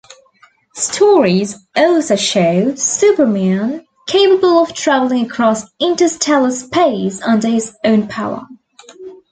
Stories also show Superman capable of traveling across interstellar space under his own power.